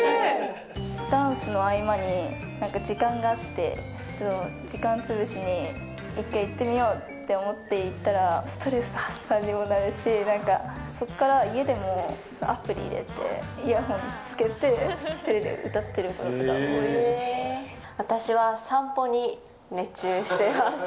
ダンスの合間になんか時間があって、時間潰しに一回行ってみようって思って行ったら、ストレス発散にもなるし、なんか、そこから家でもアプリ入れて、イヤホンつけて、私は、散歩に熱中してます。